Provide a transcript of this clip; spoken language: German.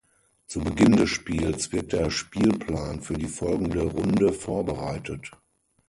Zu Beginn des Spiels wird der Spielplan für die folgende Runde vorbereitet.